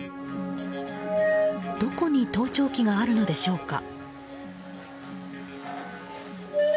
どこに盗聴器があるのでしょうか。